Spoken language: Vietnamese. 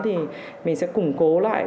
thì mình sẽ củng cố lại